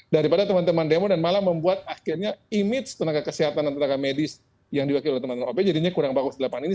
daripada teman teman demo dan malah membuat akhirnya image tenaga kesehatan dan tenaga medis yang diwakil oleh teman teman op jadinya kurang bagus di lapangan ini